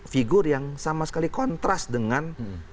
figur yang sama sekali kontras dengan